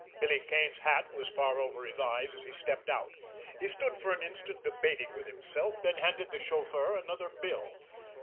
Billy Kane's hat was far over his eyes as he stepped out. He stood an instant debating with himself, then handed the chauffeur another bill.